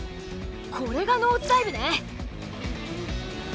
これがノーズダイブね。